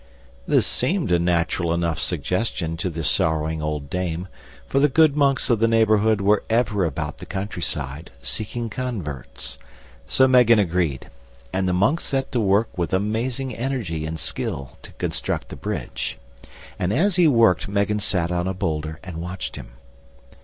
This seemed a natural enough suggestion to the sorrowing old dame, for the good monks of the neighbourhood were ever about the countryside, seeking converts; so Megan agreed, and the monk set to work with amazing energy and skill to construct the bridge. And as he worked Megan sat on a boulder and watched him.